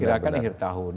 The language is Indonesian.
diperkirakan akhir tahun